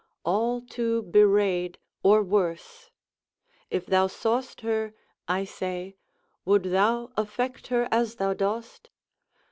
all to bewrayed, or worse; if thou saw'st her (I say) would thou affect her as thou dost?